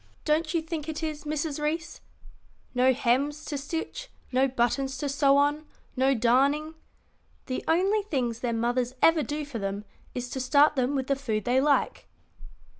Don't you think it is, Mrs. Reece? no hems to stitch, no buttons to sew on, no darning. The only things their mothers ever do for them is to start them with the food they like.